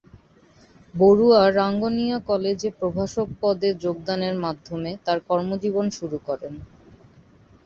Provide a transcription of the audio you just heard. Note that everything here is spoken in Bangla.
বড়ুয়া রাঙ্গুনিয়া কলেজে প্রভাষক পদে যোগদানের মাধ্যমে তার কর্মজীবন শুরু করেন।